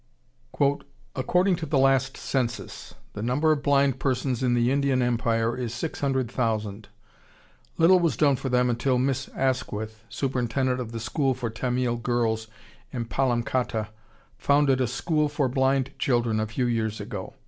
] "According to the last census, the number of blind persons in the Indian Empire is 600,000. Little was done for them until Miss Asquith, superintendent of the school for Tamil girls in Palamcotta, founded a school for blind children a few years ago.